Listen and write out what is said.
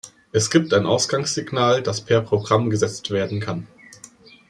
Es gibt ein Ausgangssignal, das per Programm gesetzt werden kann.